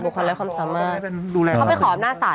ก็เข้าไปขอบนาสาระ